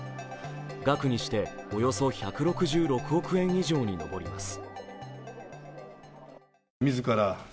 額にしておよそ１６６億円以上に上ります。